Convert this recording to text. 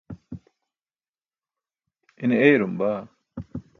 Ine eyarum baa.